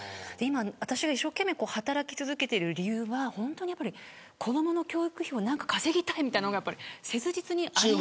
私が一生懸命働き続けている理由が子どもの教育費を稼ぎたいというのが切実にあるんです。